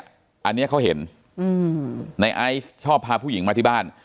อันนี้เขาเห็นในไอซ์ชอบพาผู้หญิงมาที่บ้าน